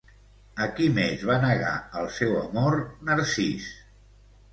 A qui més va negar el seu amor Narcís?